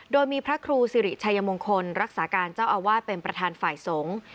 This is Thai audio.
โดยมีพระครูสิริชัยมงคลรักษาการเจ้าอาวาสเป็นประธานฝ่ายสงฆ์